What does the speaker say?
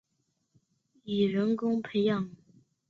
谢顿更发现久瑞南的头发是以人工培植的。